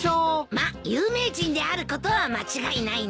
まっ有名人であることは間違いないね。